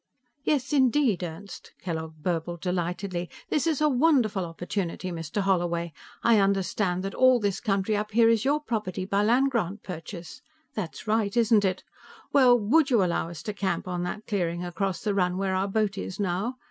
"Yes, indeed, Ernst," Kellogg burbled delightedly. "This is a wonderful opportunity. Mr. Holloway, I understand that all this country up here is your property, by landgrant purchase. That's right, isn't it? Well, would you allow us to camp on that clearing across the run, where our boat is now?